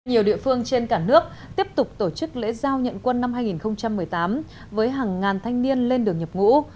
nhiều địa phương trên cả nước tiếp tục tổ chức lễ giao nhận quân năm hai nghìn một mươi tám với hàng ngàn thanh niên lên đường nhập ngũ